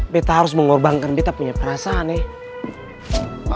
betta harus mengorbankan betta punya perasaan ya